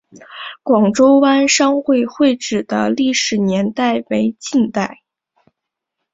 广州湾商会会址的历史年代为近代。